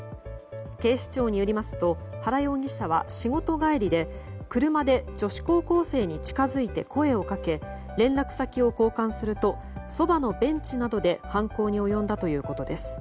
警視庁によりますと原容疑者は仕事帰りで車で女子高校生に近づいて声をかけ連絡先を交換するとそばのベンチなどで犯行に及んだということです。